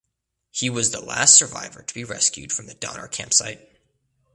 He was the last survivor to be rescued from the Donner campsite.